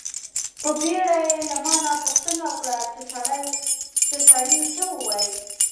په بیړه یې له ما نه پوښتنه وکړه چې سړي څه و ویل.